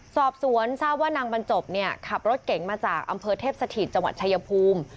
สอบสวนทราบว่านางบรรจบเนี่ยขับรถเก๋งมาจากอำเภอเทพสถิตจังหวัดชายภูมิ